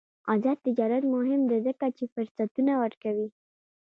آزاد تجارت مهم دی ځکه چې فرصتونه ورکوي.